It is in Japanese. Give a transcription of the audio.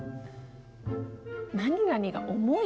「何々が重い」？